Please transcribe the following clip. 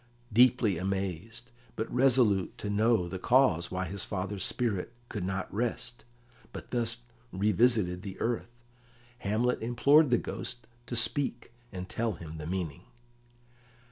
Deeply amazed, but resolute to know the cause why his father's spirit could not rest, but thus revisited the earth, Hamlet implored the Ghost to speak and tell him the meaning.